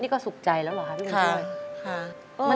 นี่ก็สุขใจแล้วเหรอคะวิวแชร์ไว้ค่ะ